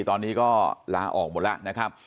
ตอนนี้ก็ลาออกหมดแล้วนะครับ